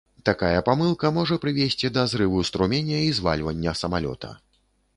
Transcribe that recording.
Такая памылка можа прывесці да зрыву струменя і звальвання самалёта.